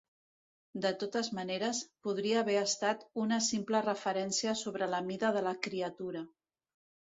De totes maneres, podria haver estat una simple referència sobre la mida de la criatura.